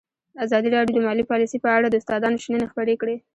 ازادي راډیو د مالي پالیسي په اړه د استادانو شننې خپرې کړي.